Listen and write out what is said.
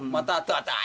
matah itu aja